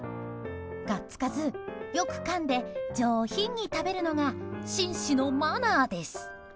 がっつかず、よくかんで上品に食べるのが紳士のマナーです。